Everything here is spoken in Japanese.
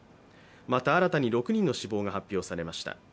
また新たに６人の死亡が発表されました。